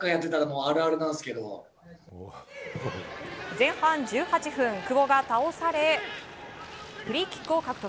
前半１８分久保が倒されフリーキックを獲得。